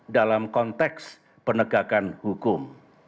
dalam konteks penegakan hukum